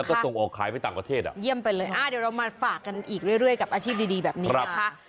แล้วก็ส่งออกขายไปต่างประเทศอ่ะ